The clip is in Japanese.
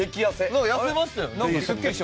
なんか痩せましたよね。